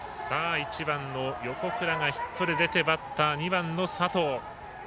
１番の横倉がヒットで出てバッター、２番の佐藤。